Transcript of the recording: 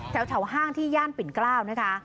ห้างที่ย่านปิ่นเกล้านะคะ